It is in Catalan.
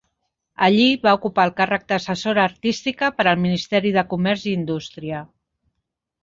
Allí va ocupar el càrrec d'assessora artística per al Ministeri de Comerç i Indústria.